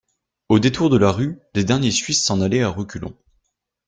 Au détour de la rue, les derniers Suisses s'en allaient à reculons.